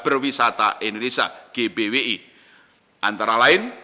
berpasangan ruang finansial kmie